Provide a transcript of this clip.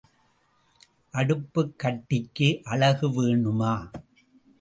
அடுப்புக் கட்டிக்கு அழகு வேணுமா?